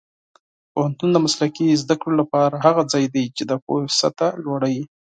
پوهنتون د مسلکي زده کړو لپاره هغه ځای دی چې د پوهې سطح لوړوي.